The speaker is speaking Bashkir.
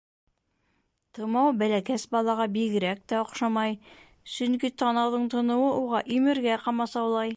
Тымау бәләкәс балаға бигерәк тә оҡшамай, сөнки танауҙың тоноуы уға имергә ҡамасаулай.